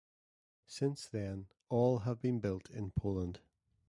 Since then all have been built in Poland.